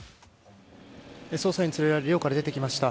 捜査員に連れられ寮から出てきました。